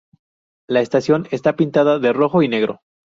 La estación está pintada de rojo y negro.